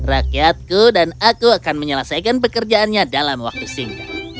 rakyatku dan aku akan menyelesaikan pekerjaannya dalam waktu singkat